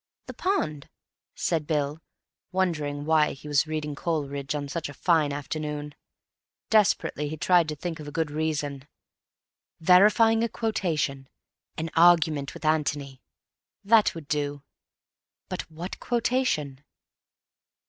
"The pond," said Bill, wondering why he was reading Coleridge on such a fine afternoon. Desperately he tried to think of a good reason.... verifying a quotation—an argument with Antony—that would do. But what quotation?